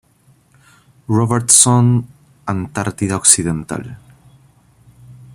Robertson, Antártida Occidental.